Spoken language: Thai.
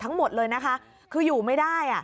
ทั้งหมดเลยนะคะคืออยู่ไม่ได้